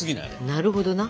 なるほどな。